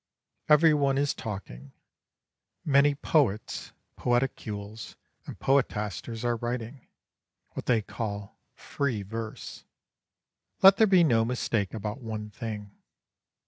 Every one is talking many poets, poeticules, and poetasters are writing what they call "free verse." Let there be no mistake about one thing.